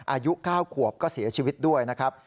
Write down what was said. อายุ๙ขวบก็เสียชีวิตด้วยนะครับ